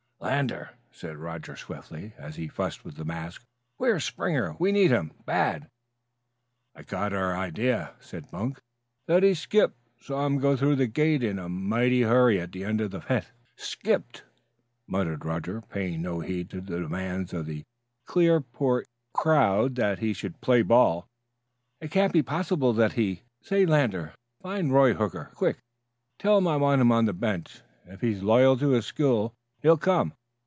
"Lander," said Roger swiftly, as he fussed with the mask, "where is Springer? We need him bad." "I gotter idea," said Bunk, "that he's skipped. Saw him go out through the gate in a mighty hurry at the end of the fifth." "Skipped!" muttered Roger, paying no heed to the demands of the Clearport crowd that he should play ball. "It can't be possible that he Say, Lander, find Roy Hooker, quick. Tell him I want him on the bench. If he's loyal to his school he'll come.